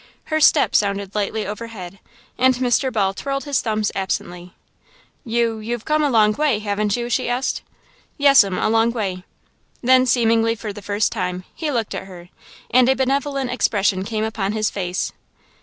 Her step sounded lightly overhead and Mr. Ball twirled his thumbs absently. "You you've come a long way, haven't you?" she asked. "Yes'm, a long way." Then, seemingly for the first time, he looked at her, and a benevolent expression came upon his face.